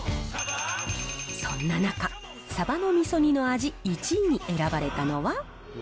そんな中、サバのみそ煮の味１位に選ばれたのは。